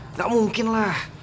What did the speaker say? nggak mungkin lah